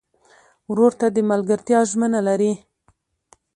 ورور ته د ملګرتیا ژمنه لرې.